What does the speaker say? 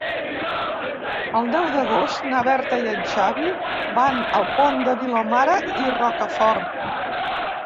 El deu d'agost na Berta i en Xavi van al Pont de Vilomara i Rocafort.